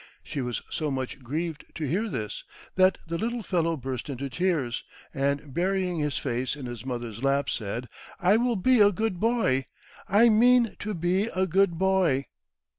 She was so much grieved to hear this, that the little fellow burst into tears, and, burying his face in his mother's lap, said, "I will be a good boy! I mean to be a good boy!"